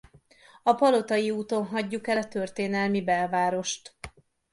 A Palotai úton hagyjuk el a történelmi belvárost.